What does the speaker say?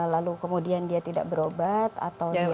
lalu kemudian dia tidak berobat atau dia